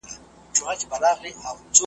سل ځله په دار سمه، سل ځله سنګسار سمه .